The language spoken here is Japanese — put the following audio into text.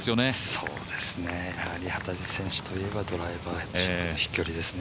そうですね幡地選手といえばドライバーショットの飛距離ですよね。